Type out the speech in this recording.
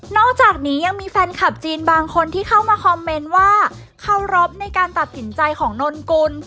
อกจากนี้ยังมีแฟนคลับจีนบางคนที่เข้ามาคอมเมนต์ว่าเคารพในการตัดสินใจของนนกุล